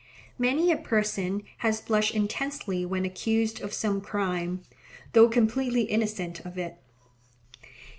Many a person has blushed intensely when accused of some crime, though completely innocent of it.